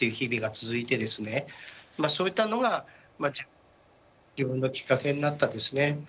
まあそういったのがまあ自分のきっかけになったんですね。